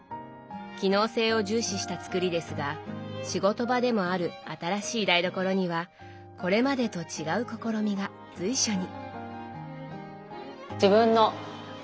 機能性を重視した作りですが仕事場でもある新しい台所にはこれまでと違う試みが随所に。